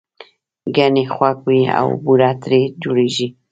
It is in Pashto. ګنی خوږ وي او بوره ترې جوړیږي